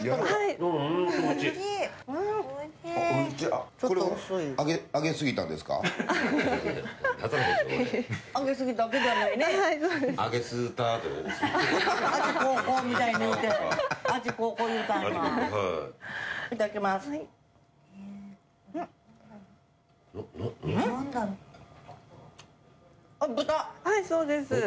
はいそうです。